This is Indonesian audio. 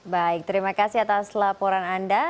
baik terima kasih atas laporan anda